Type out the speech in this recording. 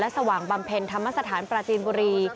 สว่างบำเพ็ญธรรมสถานปราจีนบุรี